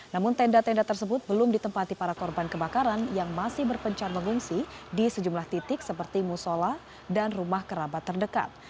namun tenda tenda tersebut belum ditempati para korban kebakaran yang masih berpencar mengungsi di sejumlah titik seperti musola dan rumah kerabat terdekat